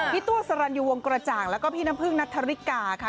พี่ตัวสรรยูวงกระจ่างแล้วก็พี่น้ำพึ่งนัทธริกาค่ะ